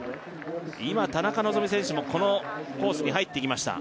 今田中希実選手もこのコースに入っていきました